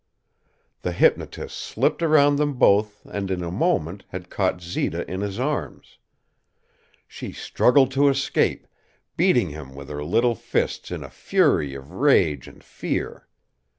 The hypnotist slipped around them both and in a moment had caught Zita in his arms. She struggled to escape, beating him with her little fists in a fury of rage and fear.